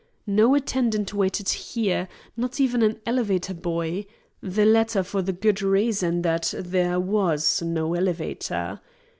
No attendant waited here; not even an elevator boy; the latter for the good reason that there was no elevator.